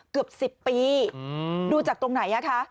เกือบ๑๐ปีดูจากตรงไหนอ่ะคะ